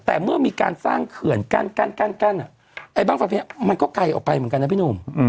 แต่เมื่อมีการสร้างเขื่อนกั้นมันก็ไกลออกไปเหมือนกันนะพี่หนุ่ม